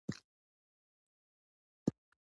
د حميد شونډې وخوځېدې.